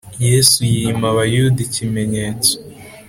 Yesu yima Abayuda ikimenyetso